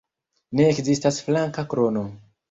Ne ekzistas flanka krono.